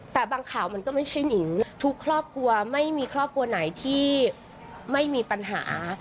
แต่บางข่าวมันก็ไม่ใช่หนิงทุกครอบครัวไม่มีครอบครัวไหนที่ไม่มีปัญหา